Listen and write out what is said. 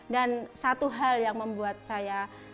dan satu hal yang membuat saya